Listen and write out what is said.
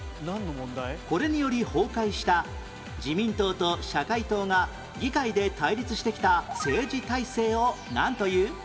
これにより崩壊した自民党と社会党が議会で対立してきた政治体制をなんという？